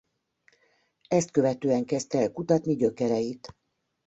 Ezt követően kezdte el kutatni gyökereit.